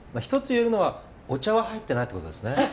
１つ言えるのはお茶は入ってないってことですね。